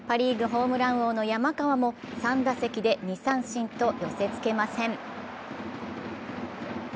ホームラン王の山川も３打席で２三振と寄せつけません。